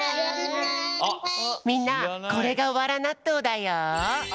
みんなこれがわらなっとうだよ。